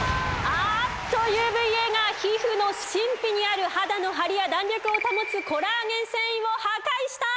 あっとＵＶーＡが皮膚の真皮にある肌のハリや弾力を保つコラーゲン線維を破壊した！